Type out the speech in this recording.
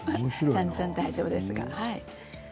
全然大丈夫です。